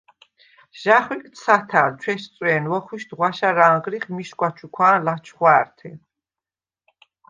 ჟ’ა̈ხვიკდ სათა̈ლ, ჩვესწო̄̈ნ, ვოხვიშდ ღვაშა̈რ ანღრიხ მიშგვა ჩუქვა̄ნ ლაჩხვა̄̈რთე.